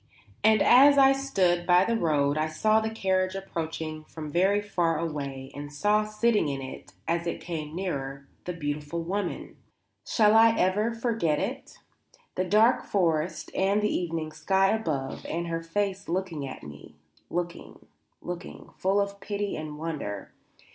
And as I stood by the road I saw the carriage approaching from very far away and saw sitting in it, as it came nearer, the beautiful woman. Shall I ever forget it? The dark forest and the evening sky above and her face looking at me looking, looking, full of pity and wonder.